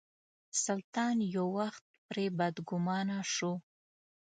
سلطان یو وخت پرې بدګومانه شو.